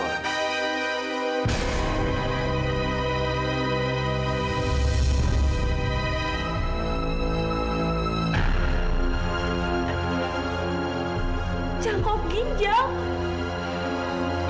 jangan ngoblin jam